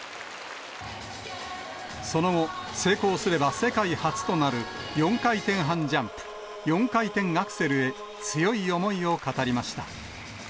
その後、成功すれば世界初となる４回転半ジャンプ、４回転アクセルへ強い思いを語りました。